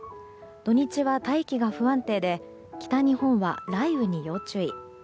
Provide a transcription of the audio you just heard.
土日は大気が不安定で北日本は雷雨に要注意。